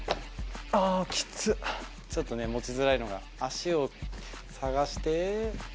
ちょっとね持ちづらいのが足を探して。